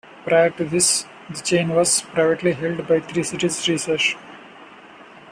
Prior to this, the chain was privately held by Three Cities Research.